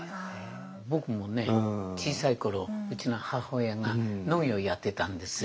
僕もね小さい頃うちの母親が農業やってたんですよ。